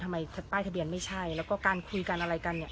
ทำไมป้ายทะเบียนไม่ใช่แล้วก็การคุยกันอะไรกันเนี่ย